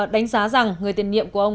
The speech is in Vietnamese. đánh giá rằng người tiền nhiệm của ông